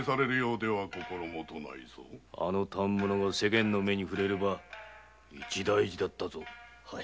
あの反物が世間の目に触れれば一大事だ。